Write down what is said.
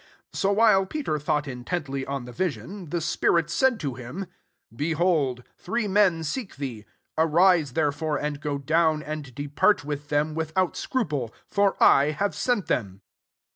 19 So while Peter thought intently on the vision, the spirit said to him, *' Behold, [tAree] men seek thee. 20 Arise, therefore, and go down, and de part with them, without scru ple : for I have sent them."